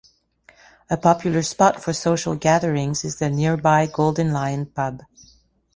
A popular spot for social gatherings is the nearby Golden Lion Pub.